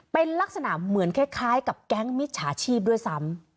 เป็นลักษณะเหมือนคล้ายกับแก๊งมิจฉาชีพด้วยซ้ำ